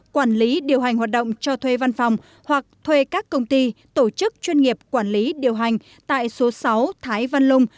quản lý điều hành hoạt động cho thuê văn phòng hoặc thuê các công ty tổ chức chuyên nghiệp quản lý điều hành tại số sáu thái văn lung